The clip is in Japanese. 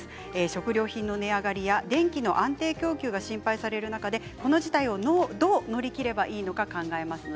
食料品の値上がりや電気の安定供給が心配される中でこの事態をどう乗り切ればいいのか考えます。